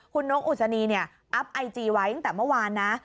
คุณนกอุศนีเนี่ยอัพไอจีไว้ตั้งแต่เมื่อวานนะ